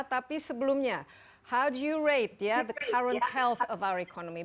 tapi sebelumnya bagaimana kamu menurut kesehatan ekonomi kita